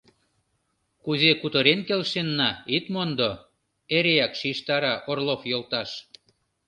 — Кузе кутырен келшенна — ит мондо! — эреак шижтара Орлов йолташ.